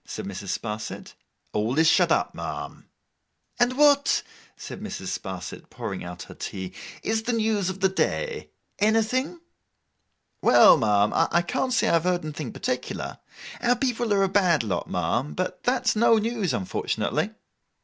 said Mrs. Sparsit. 'All is shut up, ma'am.' 'And what,' said Mrs. Sparsit, pouring out her tea, 'is the news of the day? Anything?' 'Well, ma'am, I can't say that I have heard anything particular. Our people are a bad lot, ma'am; but that is no news, unfortunately.